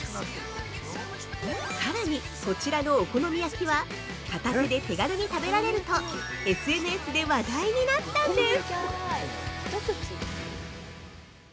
さらに、こちらのお好み焼きは片手で手軽に食べられるとＳＮＳで話題になったんです！